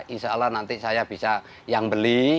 insya allah nanti saya bisa yang beli